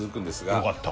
よかった。